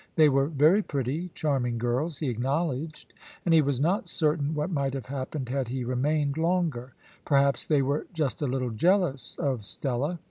They were very pretty, charming girls, he acknowledged, and he was not certain what might have happened had he remained longer. Perhaps they were just a little jealous of Stella.